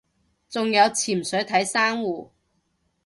仲有潛水睇珊瑚